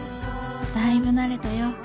「だいぶ慣れたよ。